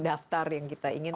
daftar yang kita ingin